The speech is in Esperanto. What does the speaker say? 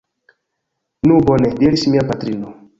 Nu bone, diris mia patrino.